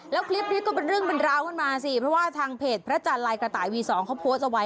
แล้วคลิปนี้ก็เป็นเรื่องเป็นราวขึ้นมาสิเพราะว่าทางเพจพระจันทร์ลายกระต่ายวี๒เขาโพสต์เอาไว้